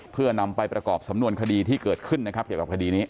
เพื่อนำไปประกอบสำนวนคดีที่เกิดขึ้นนะครับเกี่ยวกับคดีนี้